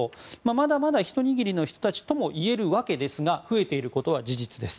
まだまだひと握りの人たちともいえるわけですが増えていることは事実です。